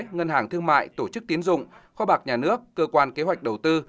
ngân hàng thương mại tổ chức tiến dụng kho bạc nhà nước cơ quan kế hoạch đầu tư